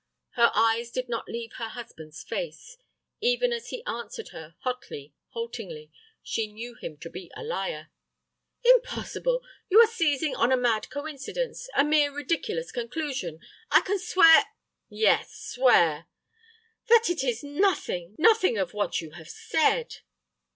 Her eyes did not leave her husband's face. Even as he answered her, hotly, haltingly, she knew him to be a liar. "Impossible! You are seizing on a mad coincidence, a mere ridiculous conclusion. I can swear—" "Yes, swear—" "That it is nothing, nothing of what you have said."